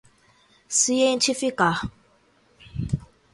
cientificar